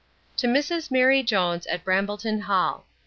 To Mrs MARY JONES, at Brambleton hall.